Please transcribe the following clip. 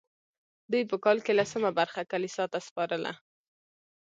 دوی په کال کې لسمه برخه کلیسا ته سپارله.